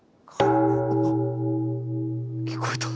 聞こえた。